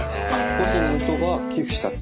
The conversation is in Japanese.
個人の人が寄付した。